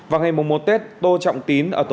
vào ngày một một tết tô trọng tín